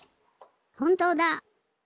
ほんとうだ！